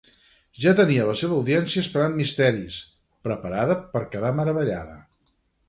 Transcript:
Ja tenia la seva audiència esperant misteris, preparada per quedar meravellada.